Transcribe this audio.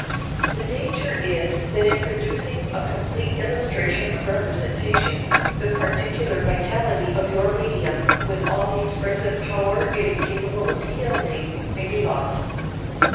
The danger is that in producing a complete illusion of representation, the particular vitality of your medium, with all the expressive power it is capable of yielding, may be lost.